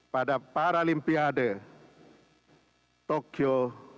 pada paralimpiade tokyo dua ribu dua